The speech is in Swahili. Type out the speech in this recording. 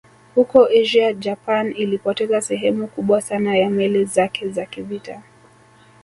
Huko Asia Japan ilipoteza sehemu kubwa sana ya meli zake za kivita